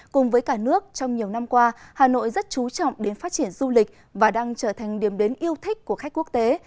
cùng với cả nước trong nhiều năm qua hà nội rất chú trọng đến phát triển du lịch và đang trở thành điểm đến yêu thích của khách quốc tế